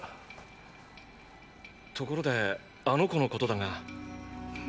ところであの子のことだが。